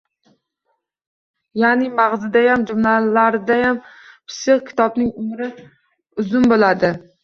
Ya’ni, mag‘ziyam, jumlalariyam pishiq kitobning umri uzun bo‘ladi.